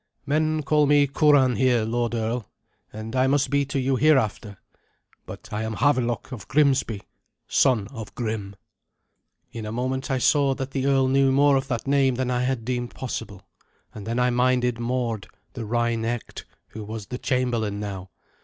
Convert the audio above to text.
"Men call me Curan here, lord earl, and that I must be to you hereafter. But I am Havelok of Grimsby, son of Grim." In a moment I saw that the earl knew more of that name than I had deemed possible; and then I minded Mord, the wry necked, who was the chamberlain now.